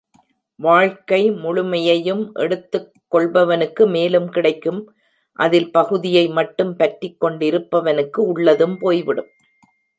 வாழ்க்கை முழுமையையும் எடுத்துக் கொள்பவனுக்கு மேலும் கிடைக்கும் அதில் பகுதியை மட்டும் பற்றிக்கொண் டிருப்பவனுக்கு உள்ளதும் போய்விடும்.